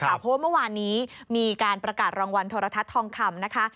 เพราะว่าเมื่อวานนี้มีการประกาศรางวัลโทรทัศน์ทองคำนะคะ